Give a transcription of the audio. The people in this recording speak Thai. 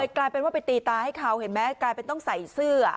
กลายเป็นว่าไปตีตาให้เขาเห็นไหมกลายเป็นต้องใส่เสื้อ